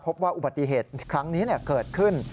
พบว่าอุบัติเหตุครั้งนี้เกิดขึ้น